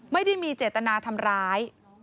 ไม่ได้มีเจตนาทำร้าย